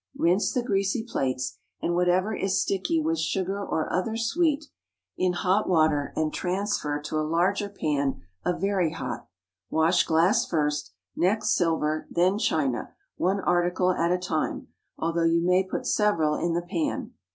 Rinse the greasy plates, and whatever is sticky with sugar or other sweet, in hot water and transfer to a larger pan of very hot. Wash glass first; next silver; then china—one article at a time, although you may put several in the pan.